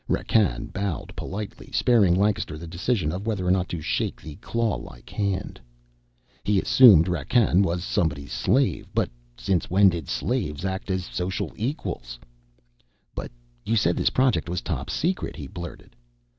Rakkan bowed politely, sparing Lancaster the decision of whether or not to shake the clawlike hand. He assumed Rakkan was somebody's slave but since when did slaves act as social equals? "But you said this project was top secret!" he blurted.